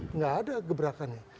enggak ada geberakannya